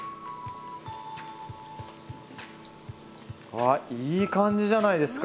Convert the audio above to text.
あいい感じじゃないですか！